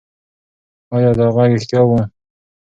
ایا دا غږ رښتیا و؟